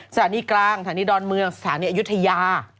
สถานีกลางสถานีดอนเมืองสถานีอยุธยา